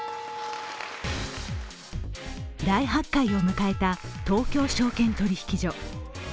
大発会を迎えた東京証券取引所。